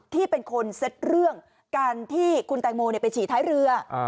ที่เป็นคนเซ็ตเรื่องการที่คุณแตงโมไปฉี่ท้ายเรือ